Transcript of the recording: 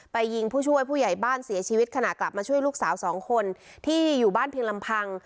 ยิงผู้ช่วยผู้ใหญ่บ้านเสียชีวิตขณะกลับมาช่วยลูกสาวสองคนที่อยู่บ้านเพียงลำพัง